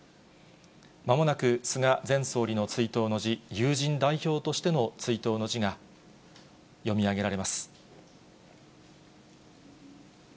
まもなく菅前総理の追悼の辞、友人代表としての追悼の辞が読み上げられます。